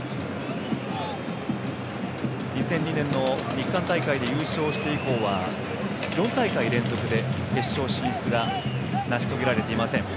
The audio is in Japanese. ２００２年の日韓大会で優勝して以降は４大会連続で決勝進出が成し遂げられていません。